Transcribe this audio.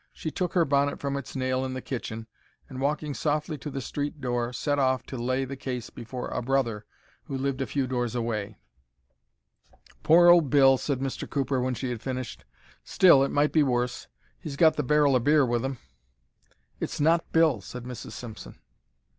She took her bonnet from its nail in the kitchen and, walking softly to the street door, set off to lay the case before a brother who lived a few doors away. "Poor old Bill," said Mr. Cooper, when she had finished. "Still, it might be worse; he's got the barrel o' beer with him." "It's not Bill," said Mrs. Simpson. Mr.